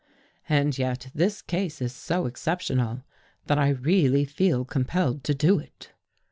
And yet this case is so exceptional that I really feel compelled to do it.